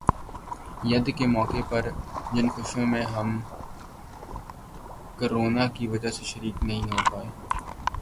ید کے موقع پر جن خوشیوں میں ہم کرونا کی وجہ سے شریک نہیں ہو پائے